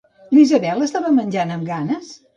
La Isabel estava menjant amb ganes?